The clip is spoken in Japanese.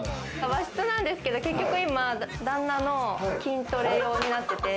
和室なんですけど結局今は旦那の筋トレ用になって。